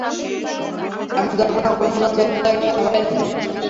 এমন জল্পনা-কল্পনা চলতে থাকে সেনাবাহিনীতে।